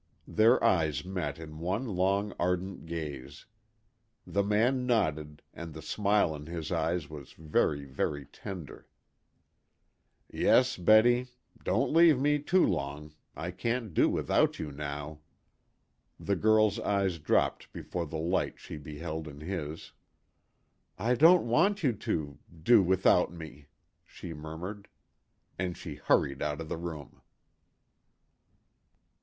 Their eyes met in one long ardent gaze. The man nodded, and the smile in his eyes was very, very tender. "Yes, Betty. Don't leave me too long I can't do without you now." The girl's eyes dropped before the light she beheld in his. "I don't want you to do without me," she murmured. And she hurried out of the room.